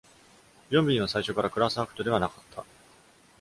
ヨンビンは最初からクラスアクトではなかった。